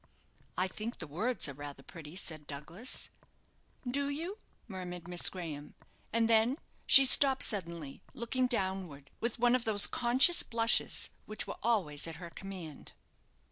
"I think the words are rather pretty," said Douglas. "Do you?" murmured Miss Graham; and then she stopped suddenly, looking downward, with one of those conscious blushes which were always at her command.